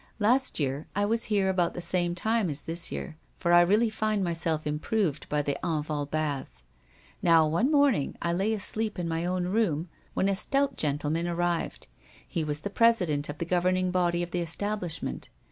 Last year, I was here about the same time as this year, for I really find myself improved by the Enval baths. Now one morning, I lay asleep in my own room, when a stout gentleman arrived. He was the president of the governing body of the establishment.